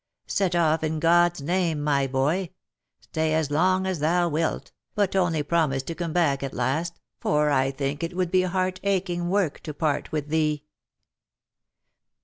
Set off, in God's name, my boy ; stay as long as thou wilt, but only promise to come back at last, for I think it would be heart aching work to part with thee."